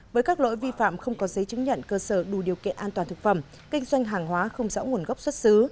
với các lỗi vi phạm không có giấy chứng nhận cơ sở đủ điều kiện an toàn thực phẩm kinh doanh hàng hóa không rõ nguồn gốc xuất xứ